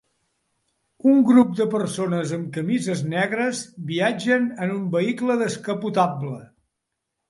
Un grup de persones amb camises negres viatgen en un vehicle descapotable